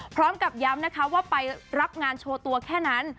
พร้อมกับย้ำนะคะว่าไปรับงานโชว์ตัวแค่นั้น